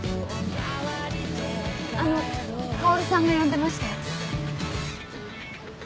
あの薫さんが呼んでましたよ。